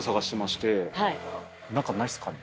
何かないですかね？